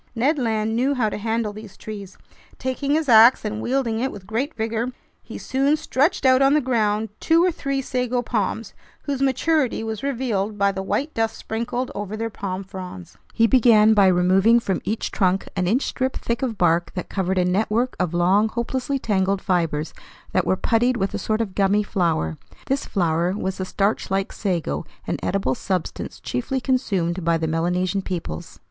Ned Land knew how to handle these trees. Taking his ax and wielding it with great vigor, he soon stretched out on the ground two or three sago palms, whose maturity was revealed by the white dust sprinkled over their palm fronds. I watched him more as a naturalist than as a man in hunger. He began by removing from each trunk an inch thick strip of bark that covered a network of long, hopelessly tangled fibers that were puttied with a sort of gummy flour. This flour was the starch like sago, an edible substance chiefly consumed by the Melanesian peoples.